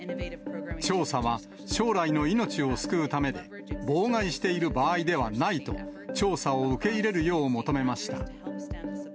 調査は将来の命を救うためで、妨害している場合ではないと、調査を受け入れるよう求めました。